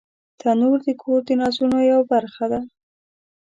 تنور د کور د نازونو یوه برخه ده